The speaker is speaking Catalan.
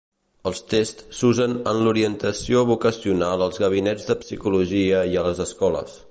Els tests s'usen en l'orientació vocacional als gabinets de psicologia i a les escoles.